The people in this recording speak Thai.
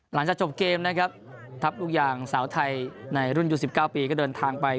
หลังจากจะจบเกมนะครับพระอุกอย่างสาวไทยในรุ่น๑๙ปีก็เดินทางไปเวียนเทียน